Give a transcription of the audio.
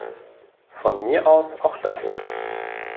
Von mir aus auch das.